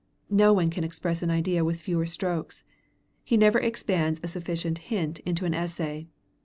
No one can express an idea with fewer strokes; he never expands a sufficient hint into an essay.